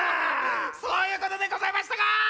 そういうことでございましたか！